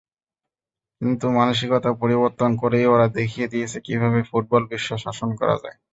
কিন্তু মানসিকতা পরিবর্তন করেই ওরা দেখিয়ে দিয়েছে কীভাবে ফুটবলবিশ্ব শাসন করা যায়।